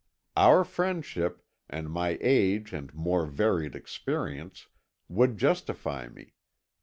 Our friendship, and my age and more varied experience, would justify me.